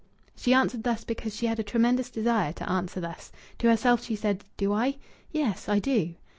She answered thus because she had a tremendous desire to answer thus. To herself she said: "Do I?... Yes, I do."